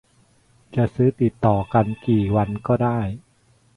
จะซื้อติดต่อกันกี่วันก็ได้